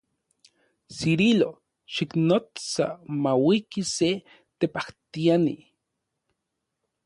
Cirilo, xiknotsa mauiki se tepajtiani.